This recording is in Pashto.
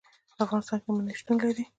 په افغانستان کې منی شتون لري.